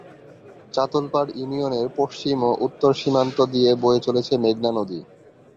চাতলপাড় ইউনিয়নের পশ্চিম ও উত্তর সীমান্ত দিয়ে বয়ে চলেছে মেঘনা নদী।